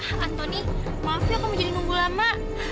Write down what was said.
hai antoni maaf ya kamu jadi nunggu lama